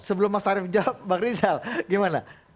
sebelum mas arief menjawab pak grisal gimana